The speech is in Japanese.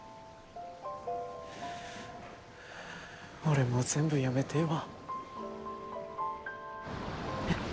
俺もう全部やめてえわ。